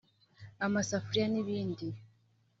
amasafuriya n’ibindi